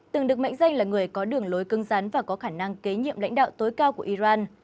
từng được mệnh danh là người có đường lối cưng rắn và có khả năng kế nhiệm lãnh đạo tối cao của iran